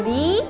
jadi apakah ini